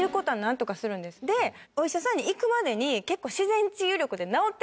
でお医者さんに行くまでに結構。